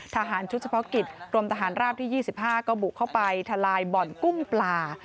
ทหารชุดเฉพาะกิจกรมทหารราบที่๒๕ก็บุกเข้าไปทลายบ่อนกุ้งปลา